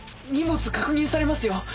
荷物確認されますよ。